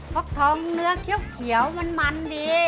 ฝักทองเนื้อเขี้ยวเหี้ยวมันมันดี